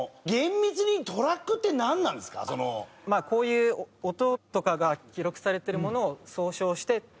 こういう音とかが記録されてるものを総称してトラック。